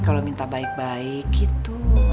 kalau minta baik baik gitu